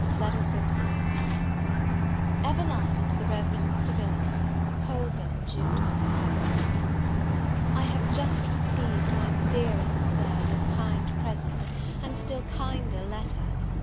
LETTER L. EVELINA TO THE REV. MR. VILLARS. Holborn, June 27th. I HAVE just received, my dearest Sir, your kind present, and still kinder letter.